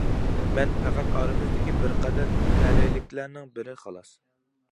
مەن پەقەت ئارىمىزدىكى بىر قەدەر تەلەيلىكلەرنىڭ بىرى، خالاس.